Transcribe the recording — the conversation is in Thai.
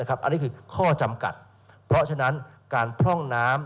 อันนี้คือข้อจำกัดเพราะฉะนั้นการพร่องน้ำ